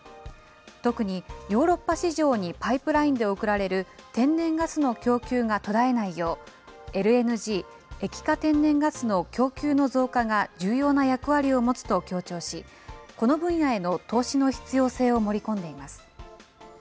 特にヨーロッパ市場にパイプラインで送られる天然ガスの供給が途絶えないよう、ＬＮＧ・液化天然ガスの供給の増加が重要な役割を持つと強調し、この分野への投資の必要性を盛り込んでいます。